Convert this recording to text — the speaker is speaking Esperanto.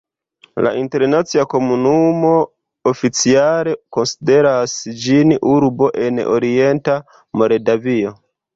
La internacia komunumo oficiale konsideras ĝin urbo en orienta Moldavio.